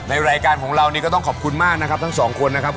รายการของเรานี่ก็ต้องขอบคุณมากนะครับทั้งสองคนนะครับ